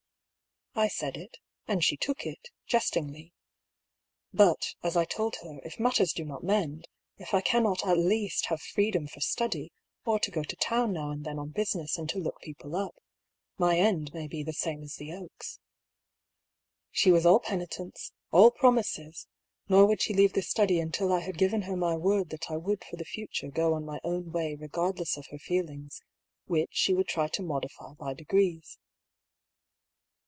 I said it, and she took it, jestingly. But, as I told her, if matters do not mend — if I cannot at least have 146 I>B. PAULL'S THBORY. freedom for study, or to go to town now and then on business and to look people up, my end may be the same as the oak's. She was all penitence, all promises ; nor would she leave the study until I had giren her my word that I would for the future go on my own way regardless of her feelings, which she would try to modify by de grees.